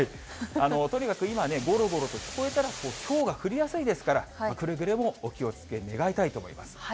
とにかく今ね、ごろごろと聞こえたらひょうが降りやすいですから、くれぐれもお気をつけ願いたいと思います。